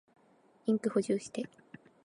インク補充して。